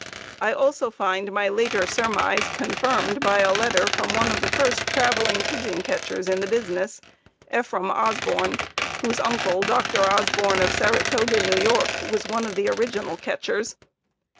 I also find my later surmise confirmed by a letter from one of the first traveling pigeon catchers in the business, Ephraim Osborn, whose uncle, Dr. Osborn of Saratoga, N. Y., was one of the original catchers.